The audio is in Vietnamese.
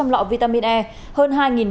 lọ vitamin e hơn hai bảy trăm linh